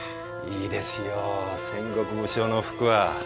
いいですよ戦国武将の服は。